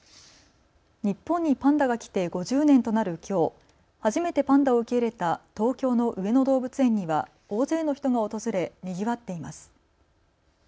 日本にパンダが来て５０年となるきょう、初めてパンダを受け入れた東京の上野動物園には大勢の人が訪れにぎわっています。